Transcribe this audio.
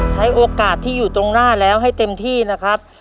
ใช้โอกาสที่อยู่ตรงหน้าแล้วให้เต็มที่นะครับ